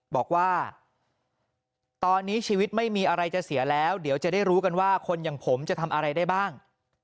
บอกว่าตอนนี้ชีวิตไม่มีอะไรจะเสียแล้วเดี๋ยวจะได้รู้กันว่าคนอย่างผมจะทำอะไรได้บ้าง